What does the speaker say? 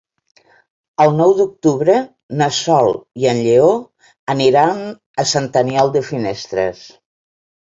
El nou d'octubre na Sol i en Lleó aniran a Sant Aniol de Finestres.